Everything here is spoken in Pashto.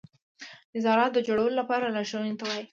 نظارت د جوړولو لپاره لارښوونې ته وایي.